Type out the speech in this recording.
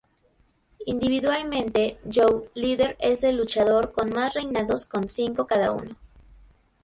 Individualmente, Joe Líder es el luchador con más reinados con cinco cada uno.